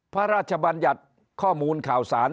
พระราชบัญญัติข้อมูลข่าวสาร